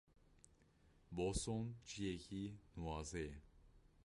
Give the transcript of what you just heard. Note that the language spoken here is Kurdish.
Boston ciyekî nuwaze ye.